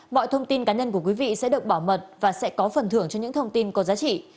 mọi thông tin cá nhân của quý vị sẽ được bảo mật và sẽ có phần thưởng cho những thông tin có giá trị